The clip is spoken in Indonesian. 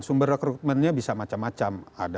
sumber rekrutmennya bisa macam macam